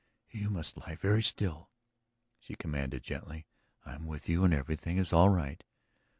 "You must lie very still," she commanded gently. "I am with you and everything is all right.